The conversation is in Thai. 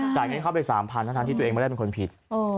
จ่ายเงินให้เขาไป๓๐๐๐บาททั้งที่ตัวเองไม่ได้เป็นคนผิด